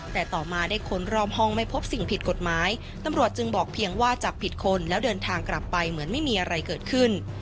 แต่ต่อมาได้ค้นรอบห้องไม่พบสิ่งผิดกฎหมายตำรวจจึงบอกเพียงว่าจับผิดคนแล้วเดินทางกลับไปเหมือนไม่มีอะไรเกิดขึ้น